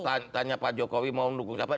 tanda tanya pak jokowi mau mendukung siapa